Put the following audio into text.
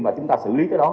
và chúng ta xử lý tới đó